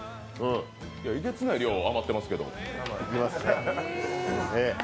いや、えげつない量余ってますけど。